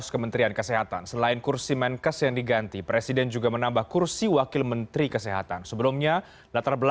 kementerian kesehatan kemudian menjadi direktur utama pt asan aluminium